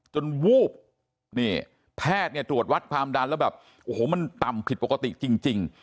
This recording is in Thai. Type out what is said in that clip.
วูบนี่แพทย์เนี่ยตรวจวัดความดันแล้วแบบโอ้โหมันต่ำผิดปกติจริง